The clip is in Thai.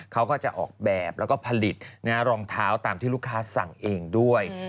เขาก็จะออกแบบแล้วก็ผลิตรองเท้าตามที่ลูกค้าสั่งเองด้วย